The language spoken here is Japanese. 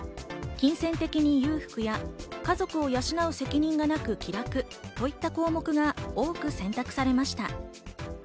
金銭的に裕福や、家族を養う責任がなく気楽といった項目が多く選択されました。